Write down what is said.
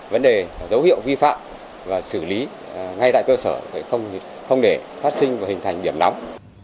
vấn đề dấu hiệu vi phạm và xử lý ngay tại cơ sở không để phát sinh và hình thành điểm nóng